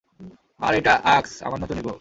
আর এইটা আক্স, আমার নতুন ইগো।